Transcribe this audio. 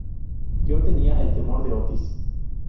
Yo tenía el temor de Otis.